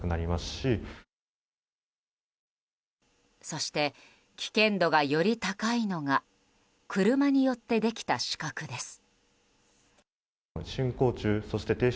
そして、危険度がより高いのが車によってできた死角です。